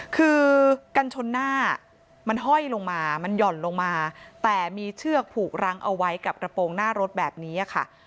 คือกันชนหน้ามันห้อยลงมามันหย่อนลงมาแต่มีเชือกผูกรังเอาไว้กับกระโปรงหน้ารถแบบนี้ค่ะ